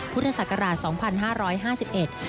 พุทธศักราช๒๕๕๑